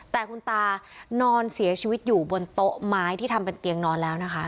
แต่คุณตานอนเสียชีวิตอยู่บนโต๊ะไม้ที่ทำเป็นเตียงนอนแล้วนะคะ